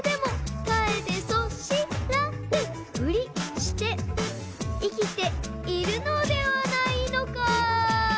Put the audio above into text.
「そしらぬふりして」「生きているのではないのか」